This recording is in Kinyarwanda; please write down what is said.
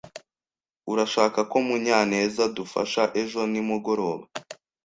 urashaka ko Munyanezadufasha ejo nimugoroba.